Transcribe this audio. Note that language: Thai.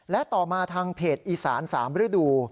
และต่อมาทางเพจอีสาน๓ฤดู